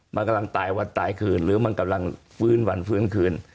มันกำลังตายวันตายคืนหรือมันกำลังฟื้นวันฟื้นคืน